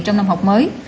trong năm học mới